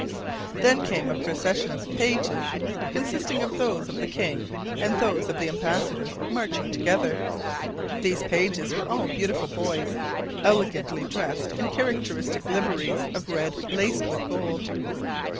Then came a precession of pages, consisting of those of the king and those of the embassadors marching together. These pages were all beautiful boys, elegantly dressed in characteristic liveries of red laced with gold.